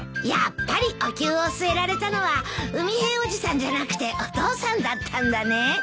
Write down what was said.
やっぱりおきゅうを据えられたのは海平おじさんじゃなくてお父さんだったんだね。